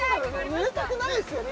濡れたくなるんですよね